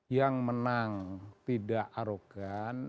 yang menang tidak arogan